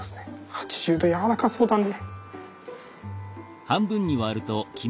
８０℃やわらかそうだね。